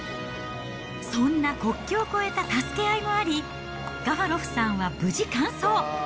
そんな国境を越えた助け合いもあり、ガファロフさんは無事完走。